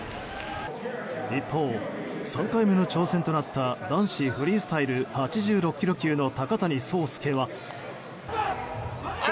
一方、３回目の挑戦となった男子フリースタイル８６ｋｇ級の高谷惣亮は。